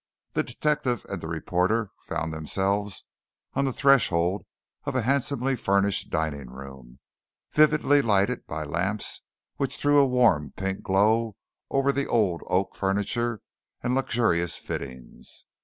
The detective and the reporter found themselves on the threshold of a handsomely furnished dining room, vividly lighted by lamps which threw a warm pink glow over the old oak furniture and luxurious fittings.